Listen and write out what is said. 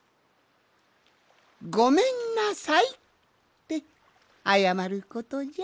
「ごめんなさい」ってあやまることじゃ。